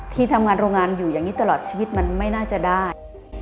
ที่ทำงานโรงงานอยู่อย่างนี้ตลอดชีวิตมันไม่น่าจะได้